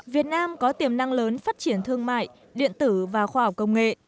việt nam có tiềm năng lớn phát triển thương mại điện tử và khoa học công nghệ